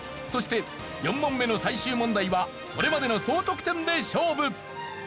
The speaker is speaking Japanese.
そして４問目の最終問題はそれまでの総得点で勝負！